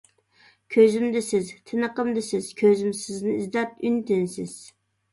كۆزۈمدە سىز، تىنىقىمدا سىز، كۆزۈم سىزنى ئىزدەر ئۈن-تىنسىز.